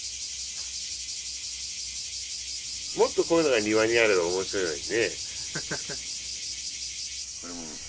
もっとこういうのが庭にあれば面白いのにね。